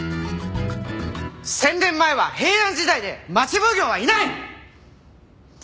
１０００年前は平安時代で町奉行はいない！